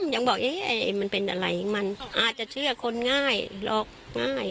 ยังบอกเอ๊ะมันเป็นอะไรมันอาจจะเชื่อคนง่ายหรอกง่าย